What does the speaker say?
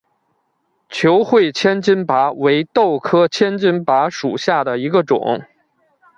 球穗千斤拔为豆科千斤拔属下的一个种。